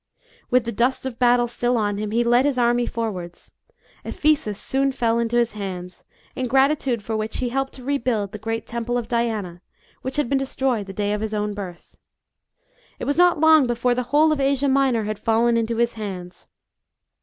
With the dust of battle still on him he led his army forwards. Ephesus soon fell into his hands, in 1 , gratitude for which, he helped to rebuild the great temple of Diana, which had been destroyed the day of his own birth. It was not long be fore the whole of Asia Minor had fallen into his hands.